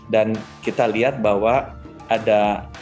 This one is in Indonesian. dan kita lihat bahwa ada